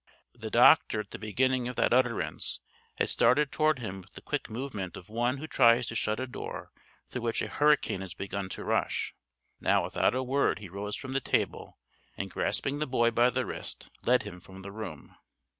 The doctor at the beginning of that utterance had started toward him with the quick movement of one who tries to shut a door through which a hurricane has begun to rush. Now without a word he rose from the table and grasping the boy by the wrist led him from the room.